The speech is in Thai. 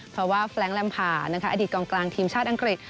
เพราะว่าแฟลงแรมผ่าอดีตกองกลางทีมชาติอังกฤษ